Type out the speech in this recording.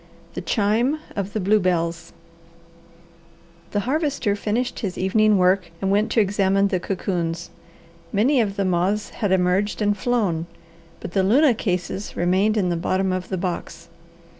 THE CHIME OF THE BLUE BELLS The Harvester finished his evening work and went to examine the cocoons. Many of the moths had emerged and flown, but the luna cases remained in the bottom of the box.